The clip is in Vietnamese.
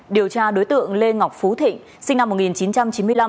điều tra đối tượng lê ngọc phú thịnh sinh năm một nghìn chín trăm chín mươi năm